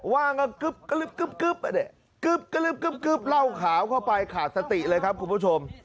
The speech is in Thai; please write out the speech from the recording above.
ว่างก็ร่าวขาวเข้าไปขาดสติเลยครับคุณผู้ชม